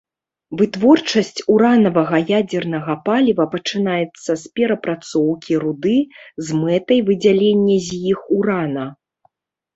Вытворчасць уранавага ядзернага паліва пачынаецца з перапрацоўкі руды з мэтай выдзялення з іх урана.